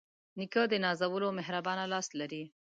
نیکه د نازولو مهربانه لاس لري.